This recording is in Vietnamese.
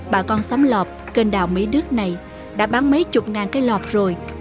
bà con sắm lọt kênh đào mỹ đức này đã bán mấy chục ngàn cái lọt rồi